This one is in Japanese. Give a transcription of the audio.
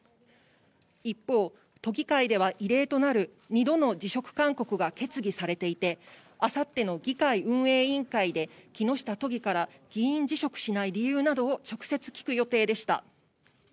一方、都議会では異例となる２度の辞職勧告が決議されていて、あさっての議会運営委員会で、木下都議から議員辞職しない理由などを直接聞く予定でした。